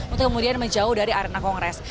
untuk kemudian menjauh dari arena kongres